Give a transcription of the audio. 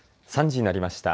３時になりました。